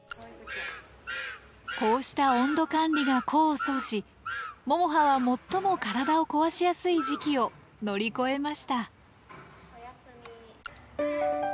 こうした温度管理が功を奏しももはは最も体を壊しやすい時期を乗り越えました。